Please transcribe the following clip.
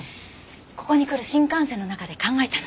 ここに来る新幹線の中で考えたの。